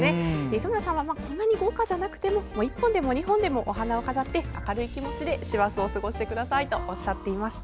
磯村さんはそんなに豪華じゃなくても１本でも２本でもお花を飾って明るい気持ちで師走を過ごしてくださいとおっしゃっていました。